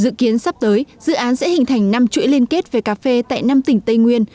dự kiến sắp tới dự án sẽ hình thành năm chuỗi liên kết về cà phê tại năm tỉnh tây nguyên